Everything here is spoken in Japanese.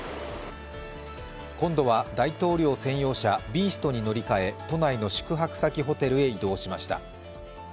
今度は大統領専用車・ビーストに乗り換え都内の宿泊先ホテルへ移動しました。